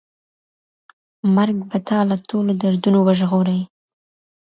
مرګ به تا له ټولو دردونو وژغوري.